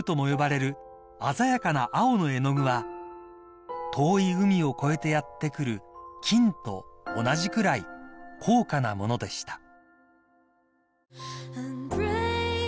呼ばれる鮮やかな青の絵の具は遠い海を越えてやって来る金と同じくらい高価なものでした］